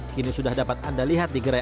kini sudah dapat anda lihat di gerai